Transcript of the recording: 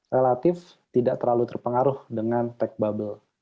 relatif tidak terlalu terpengaruh dengan tech bubble